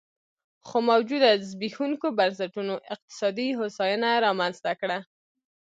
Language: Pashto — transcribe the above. خو موجوده زبېښونکو بنسټونو اقتصادي هوساینه رامنځته کړه